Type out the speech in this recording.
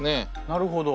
なるほど。